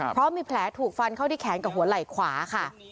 เพราะมีแผลถูกฟันเข้าที่แขนกับหัวไหล่ขวาค่ะ